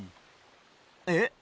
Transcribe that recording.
えっ？